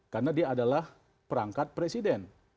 karena dia adalah perangkat presiden